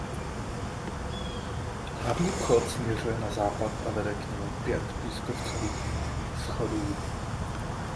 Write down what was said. Hlavní vchod směřuje na západ a vede k němu pět pískovcových schodů.